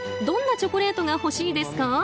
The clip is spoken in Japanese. どんなチョコレートが欲しいですか？